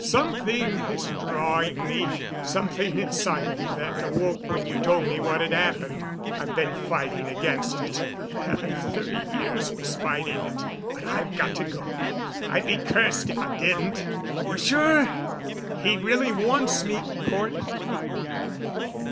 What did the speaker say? Something is drawing me—something inside of me that awoke when you told me what had happened. I've been fighting against it, the habit of thirty years was fighting it, but I've got to go. I'd be cursed if I didn't. You're sure he really wants me, Cort?"